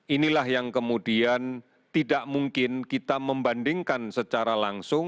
inilah yang kemudian tidak mungkin kita membandingkan secara langsung